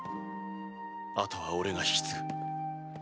あとは俺が引き継ぐ。